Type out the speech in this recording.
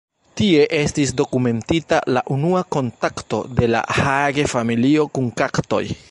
Tie estis dokumentita la unua kontakto de la Haage-familio kun kaktoj.